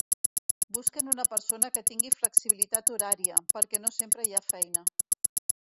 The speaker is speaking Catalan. Busquem una persona que tingui flexibilitat horària, perquè no sempre hi ha feina.